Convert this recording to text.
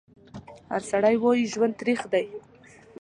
هر سړی وایي ژوند تریخ دی